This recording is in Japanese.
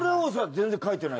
全然書いてない。